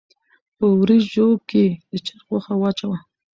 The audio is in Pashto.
په وريژو کښې د چرګ غوښه واچوه